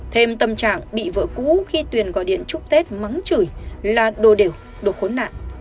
thêm tâm trạng bị vợ cũ khi tuyền gọi điện chúc tết mắng chửi là đồ đều khốn nạn